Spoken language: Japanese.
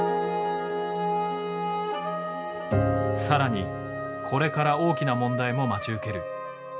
更にこれから大きな問題も待ち受ける。